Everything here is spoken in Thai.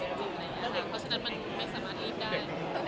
เพราะฉะนั้นมันไม่สามารถรีบได้